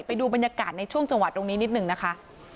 ไปดูบรรยากาศจังหวัดที่นี่นิดนึงนะคะ